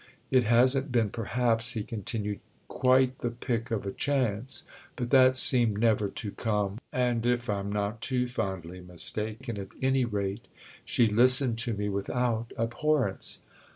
It hasn't been perhaps," he continued, "quite the pick of a chance; but that seemed never to come, and if I'm not too fondly mistaken, at any rate, she listened to me without abhorrence.